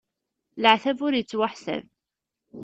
Leɛtab ur ittwaḥsab.